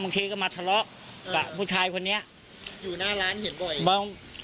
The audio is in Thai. เคก็มาทะเลาะกับผู้ชายคนนี้อยู่หน้าร้านเห็นบ่อย